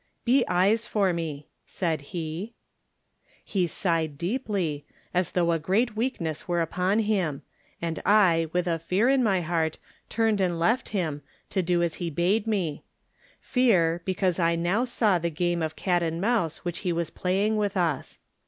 "Be eyes for me," said he. He sighed deeply, as though a great weak ness were upon him, and I with a fear in my heart turned and left him, to do as he bade me — ^fear, because I now saw the game of cat and mouse which he was playing with us.